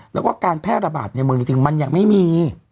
แล้วก็การแพร่ระบาดในเมืองจริงมันยังไม่มี